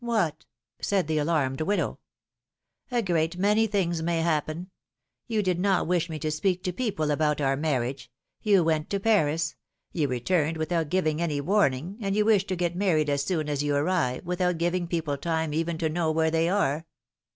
— what?" said the alarmed widow. great many things may happen! You did not wish me to speak to people about our marriage ; you went to Paris ; you returned without giving any warning, and you wish to get married as soon as you arrive, without giving people time even to know where they are.